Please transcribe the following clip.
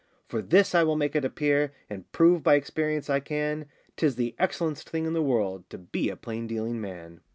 For this I will make it appear, And prove by experience I can, 'Tis the excellen'st thing in the world To be a plain dealing man.